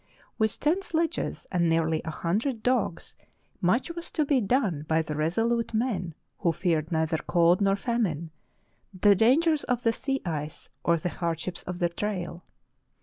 With ten sledges and nearly a hundred dogs much was to be done by the resolute men who feared neither cold nor famine, the dangers of the sea ice, or the hardships of the trail.